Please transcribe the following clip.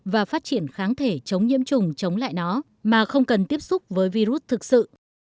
và phát triển kháng thể chống nhiễm trùng chống lại nó mà không cần tiếp xúc với virus thực sự